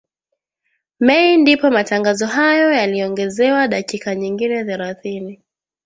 Mei ndipo matangazo hayo yaliongezewa dakika nyingine thelathini